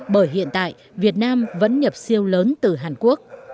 bởi hiện tại việt nam vẫn nhập siêu lớn từ hàn quốc